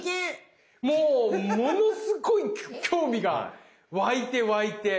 もうものすごい興味が湧いて湧いて。